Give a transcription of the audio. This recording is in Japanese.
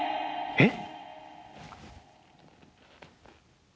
えっ！？